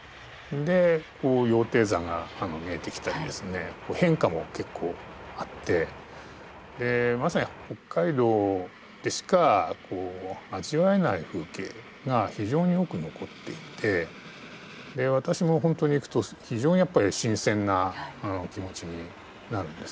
で羊蹄山が見えてきたり変化も結構あってまさに北海道でしか味わえない風景が非常に多く残っていて私も本当に行くと非常にやっぱり新鮮な気持ちになるんですね。